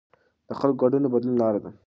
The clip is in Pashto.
د خلکو ګډون د بدلون لاره ده